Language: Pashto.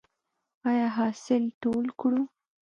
آیا حاصل ټول کړو؟